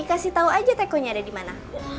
kasih tahu aja tekonya ada di mana